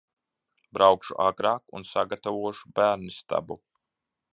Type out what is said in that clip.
Braukšu agrāk un sagatavošu bērnistabu.